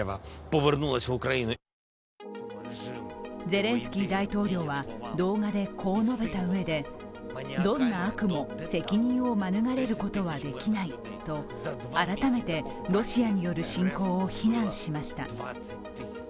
ゼレンスキー大統領は動画でこう述べたうえで、どんな悪も責任を免れることはできないと改めてロシアによる侵攻を非難しました。